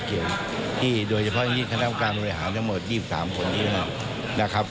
เกี่ยวที่โดยเฉพาะที่คณะการบริหารทั้งหมดที่อยู่๓คนที่กำลัง